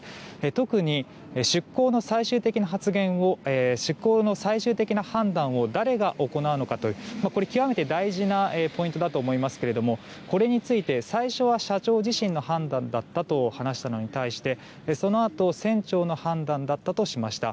特に出航の最終的な判断を誰が行うのかというこれ極めて大事なポイントだと思いますけどこれについて、最初は社長自身の判断だったと話したのに対してそのあと、船長の判断だったとしました。